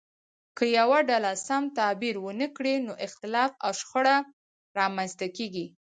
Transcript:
که یوه ډله سم تعبیر ونه کړي نو اختلاف او شخړه رامنځته کیږي.